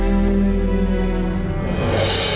satu hari lagi ayee